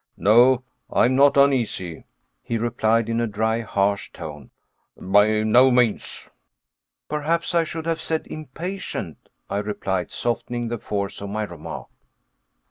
"No, I am not uneasy," he replied in a dry harsh tone, "by no means." "Perhaps I should have said impatient," I replied, softening the force of my remark.